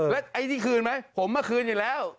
แล้วไอ้ที่คืนไหมผมมาคืนอยู่แล้ว